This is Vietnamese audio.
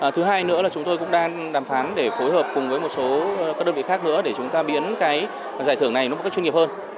thứ hai nữa là chúng tôi cũng đang đàm phán để phối hợp cùng với một số các đơn vị khác nữa để chúng ta biến cái giải thưởng này nó một cách chuyên nghiệp hơn